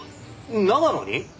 長野に！？